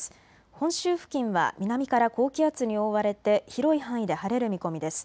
本州付近は南から高気圧に覆われて広い範囲で晴れる見込みです。